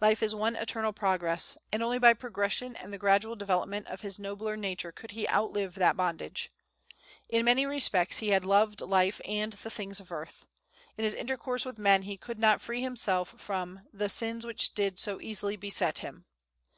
"Life is one eternal progress," and only by progression and the gradual development of his nobler nature could he outlive that bondage. In many respects he had loved life and the things of earth. In his intercourse with men he could not free himself from "the sins which did so easily beset him."